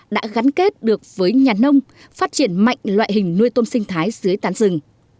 đã gắn kết được với nhà nông phát triển mạnh loại hình nuôi tôm sinh thái dưới tán rừng